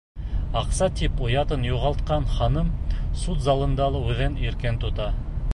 Аҡса тип оятын юғалтҡан ханым суд залында ла үҙен иркен тота.